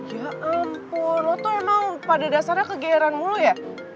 ya ampun lu tuh emang pada dasarnya kegeeran mulu ya